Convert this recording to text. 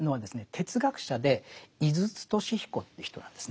哲学者で井筒俊彦という人なんですね。